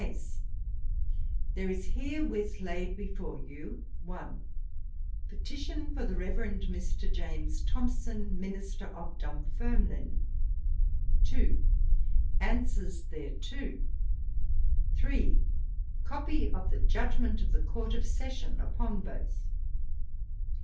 CASE. 'There is herewith laid before you, 1. Petition for the Reverend Mr. James Thomson, minister of Dumfermline. 2. Answers thereto. 3. Copy of the judgement of the Court of Session upon both.